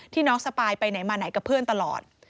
น้องสปายไปไหนมาไหนกับเพื่อนตลอด